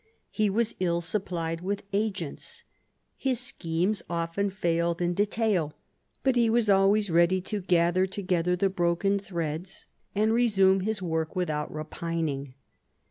He was ill supplied with agents. His schemes often failed in detail ; but he was always ready to gather together the broken threads and resume his I THE STATE OF EUROPE 3 work without repining.